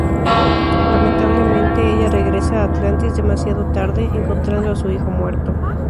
Lamentablemente, ella regresa a Atlantis demasiado tarde, encontrando a su hijo muerto.